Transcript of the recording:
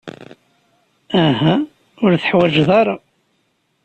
Uhu, ur teḥwajeḍ aya.